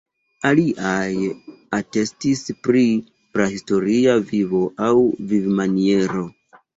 Aliaj atestis pri prahistoria vivo aŭ vivmaniero.